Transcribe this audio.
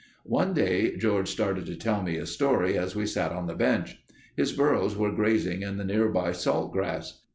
One day George started to tell me a story as we sat on the bench. His burros were grazing in the nearby salt grass.